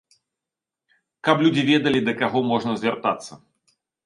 Каб людзі ведалі, да каго можна звяртацца.